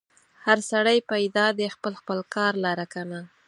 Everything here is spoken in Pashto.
هر سړی پیدا دی خپل خپل کار لره کنه.